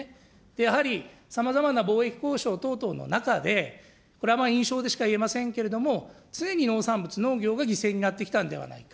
やはりさまざまな貿易交渉等々の中で、これは印象でしか言えませんけれども、常に農産物、農業が犠牲になってきたんではないか。